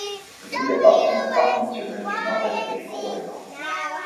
L'île appartient au parc national du Nord-Est du Groenland.